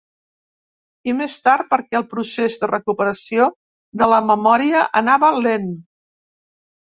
I, més tard, perquè el procés de recuperació de la memòria anava lent.